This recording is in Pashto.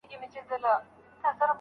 په کوم حالت کي غسل کول افضل دي؟